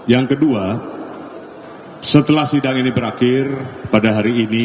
yang kedua setelah sidang ini berakhir pada hari ini